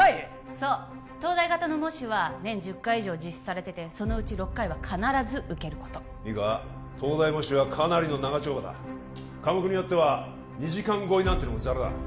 そう東大型の模試は年１０回以上実施されててそのうち６回は必ず受けることいいか東大模試はかなりの長丁場だ科目によっては２時間超えなんてのもザラだ